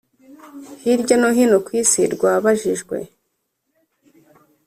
Hirya No Hino Ku Isi Rwabajijwe